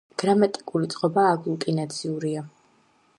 გრამატიკული წყობა აგლუტინაციურია.